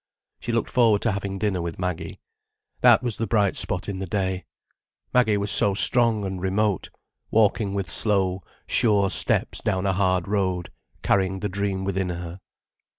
She looked forward to having dinner with Maggie. That was the bright spot in the day. Maggie was so strong and remote, walking with slow, sure steps down a hard road, carrying the dream within her.